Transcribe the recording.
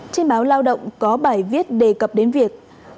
trên báo lao động có bài viết đề cập đến việc